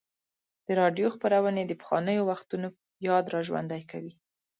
د راډیو خپرونې د پخوانیو وختونو یاد راژوندی کوي.